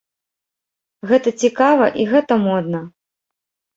Гэта цікава і гэта модна.